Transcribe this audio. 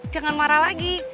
jangan marah lagi